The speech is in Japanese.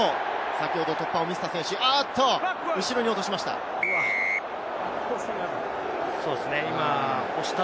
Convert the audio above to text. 先ほど突破を見せた選手、後ろに落としました。